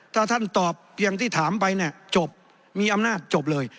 ถ้าท่านตอบอย่างที่ถามไปเนี่ยจบมีอำนาจจบเลย